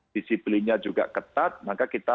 disiplinnya juga ketat maka kita